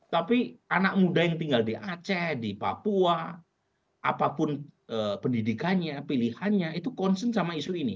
tapi anak muda yang tinggal di aceh di papua apapun pendidikannya pilihannya itu concern sama isu ini